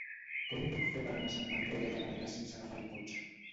Com ho puc fer per anar a Sant Andreu de Llavaneres sense agafar el cotxe?